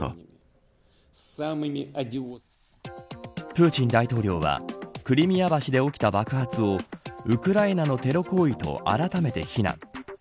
プーチン大統領はクリミア橋で起きた爆発をウクライナのテロ行為とあらためて非難。